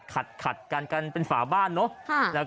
การเป็นฝาบ้านเนอะ